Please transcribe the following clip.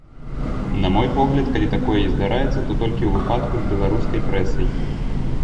На мой погляд, калі такое і здараецца, то толькі ў выпадку з беларускай прэсай.